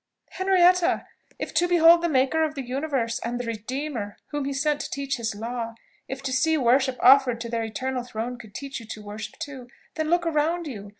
"Henrietta! If to behold the Maker of the universe, and the Redeemer whom he sent to teach his law if to see worship offered to their eternal throne could teach you to worship too, then look around you.